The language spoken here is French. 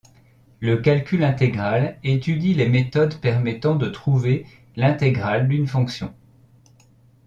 Le calcul intégral étudie les méthodes permettant de trouver l'intégrale d'une fonction.